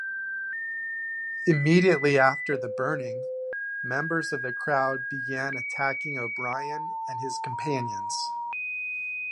Immediately after the burning, members of the crowd began attacking O'Brien and his companions.